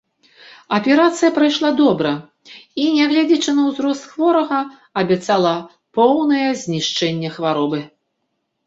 Аперацыя прайшла добра і, нягледзячы на ўзрост хворага, абяцала поўнае знішчэнне хваробы.